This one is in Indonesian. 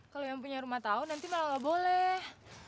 kalau yang punya rumah tau nanti malah gak boleh